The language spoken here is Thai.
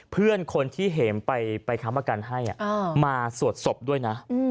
เพื่อนคนที่เห็มไปค้ำประกันให้มาสวดศพด้วยนะ